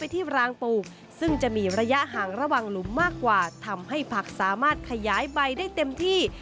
ทำให้ผักสามารถขยายใบได้เต็มที่